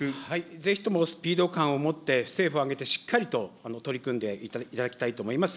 ぜひともスピード感を持って、政府を挙げてしっかりと取り組んでいただきたいと思います。